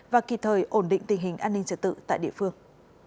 và kịp thời ổn định tình hình an ninh trật tự tại địa phương